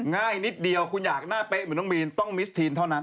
ง่ายนิดเดียวคุณอยากหน้าเป๊ะเหมือนน้องมีนต้องมิสทีนเท่านั้น